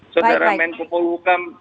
saudara menko polwukam